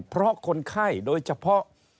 เพราะคนไข้โดยเฉพาะ